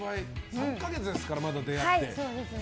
３か月ですから、出会って。